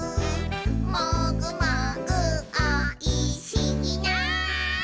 「もぐもぐおいしいな」